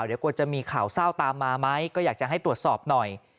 เดี๋ยวกลัวจะมีข่าวเศร้าตามมาไหมก็อยากจะให้ตรวจสอบหน่อย